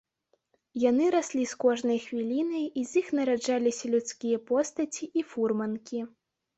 Яны раслі з кожнай хвілінай, і з іх нараджаліся людскія постаці і фурманкі.